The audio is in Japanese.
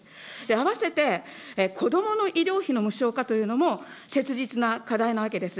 併せて、子どもの医療費の無償化というのも切実な課題なわけです。